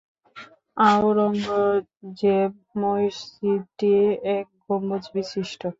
আওরঙ্গজেব মসজিদটি এক গম্বুজ বিশিষ্ট।